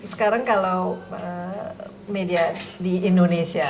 sekarang kalau media di indonesia